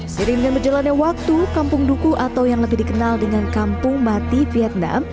sering dengan berjalannya waktu kampung duku atau yang lebih dikenal dengan kampung mati vietnam